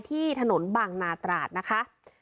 ที่ถนนบางนาตราดนะคะ